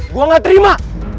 gue gak terima